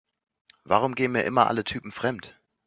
Warum gehen mir immer alle Typen fremd?